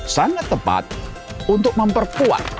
sangat tepat untuk memperkuat